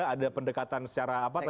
ada pendekatan secara apa